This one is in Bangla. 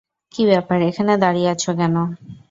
কী ব্যাপার, এখানে দাঁড়িয়ে আছ কেন?